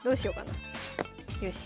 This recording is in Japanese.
よし。